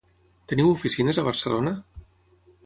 Teniu oficines a Barcelona?